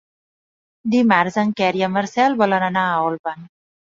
Dimarts en Quer i en Marcel volen anar a Olvan.